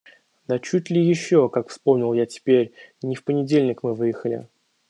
Да чуть ли еще, как вспомнил я теперь, не в понедельник мы выехали.